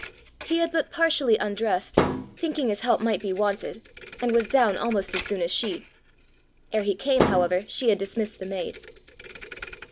He had but partially undressed, thinking his help might be wanted, and was down almost as soon as she. Ere he came, however, she had dismissed the maid.